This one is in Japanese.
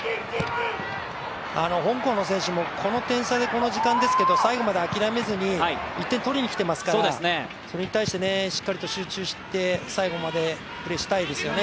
香港の選手もこの点差でこの時間帯ですけど最後まで諦めずに１点取りに来てますからそれに対してしっかりと集中して最後までプレーしたいですよね